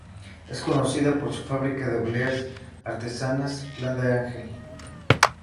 Es conocida por su fábrica de obleas artesanas "Pan de Ángel".